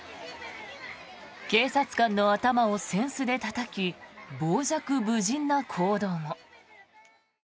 警察官の頭を扇子でたたき傍若無人な行動も。